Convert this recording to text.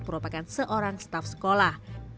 merupakan seorang staf sekolah